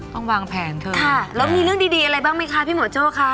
วางแผนเถอะค่ะแล้วมีเรื่องดีอะไรบ้างไหมคะพี่หมอโจ้คะ